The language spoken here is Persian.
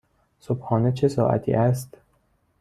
صبحانه چه ساعتی است؟